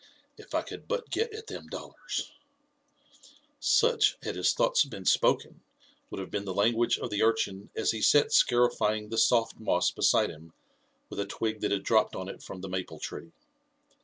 — If I could but get at them dollars " Such, had his thoughts been spoken, would have been the language of the urchin as he sat scarifying the soft moss beside him with a twig that had dropped on it from the maple tree.